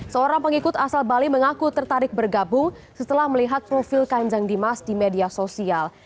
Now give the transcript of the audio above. seorang pengikut asal bali mengaku tertarik bergabung setelah melihat profil kanjeng dimas di media sosial